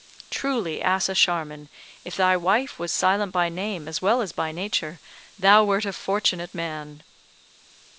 Truly, Asa Sharman, if thy wife was silent by name as well as by nature, thou wert a fortunate man!